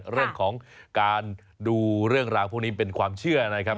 เรื่องของการดูเรื่องราวพวกนี้เป็นความเชื่อนะครับ